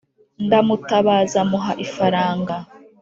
ndamutabaza muha ifaranga